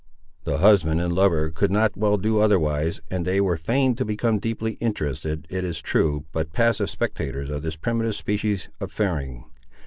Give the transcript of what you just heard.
The husband and lover could not well do otherwise, and they were fain to become deeply interested, it is true, but passive spectators of this primitive species of ferrying.